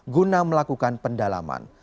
guna melakukan pendalaman